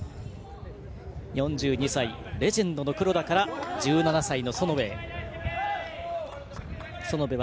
４２歳、レジェンドの黒田から１７歳の園部へ。